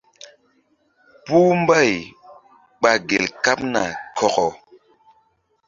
Puh mbay ɓa gel kaɓ na kɔkɔ.